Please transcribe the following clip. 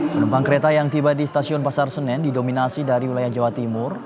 penumpang kereta yang tiba di stasiun pasar senen didominasi dari wilayah jawa timur